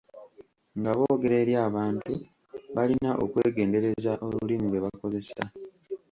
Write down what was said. Nga boogera eri abantu, balina okwegendereza olulimi lwe bakozesa.